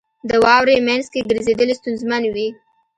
• د واورې مینځ کې ګرځېدل ستونزمن وي.